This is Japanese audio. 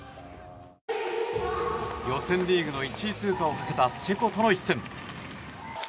予選リーグの１位通過をかけたチェコとの一戦。